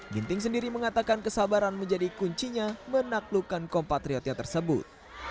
ginting sendiri mengatakan kesabaran menjadi kuncinya menaklukkan kompatriotnya tersebut